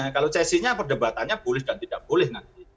kalau csi nya perdebatannya boleh dan tidak boleh nanti